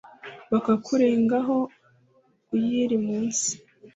Bakakurengaho uyiri munsi